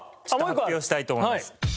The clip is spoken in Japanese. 発表したいと思います。